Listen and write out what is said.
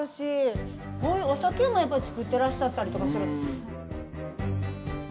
こういうお酒もやっぱり造ってらっしゃったりとかする。